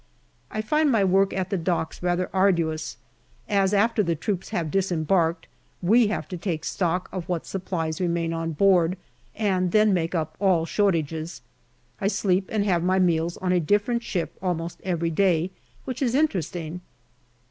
I find my work at the docks rather arduous, as, after the troops have disembarked, we have to take stock of what supplies remain on board, and then make up all shortages. I sleep and have my meals on a different ship almost every day which is interesting.